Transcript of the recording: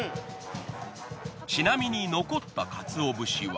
ちなみに残ったかつお節は。